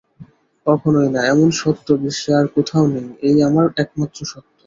কখনোই না, এমন সত্য বিশ্বে আর কোথাও নেই, এই আমার একমাত্র সত্য।